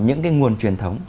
những cái nguồn truyền thống